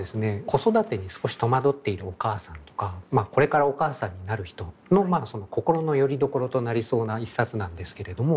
子育てに少し戸惑っているお母さんとかこれからお母さんになる人の心のよりどころとなりそうな一冊なんですけれども。